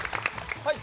はい。